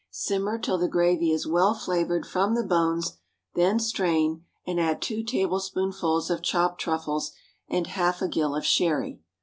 Simmer till the gravy is well flavored from the bones, then strain, and add two tablespoonfuls of chopped truffles and half a gill of sherry.